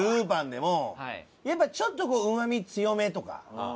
ぱんでもやっぱりちょっとうまみ強めとか。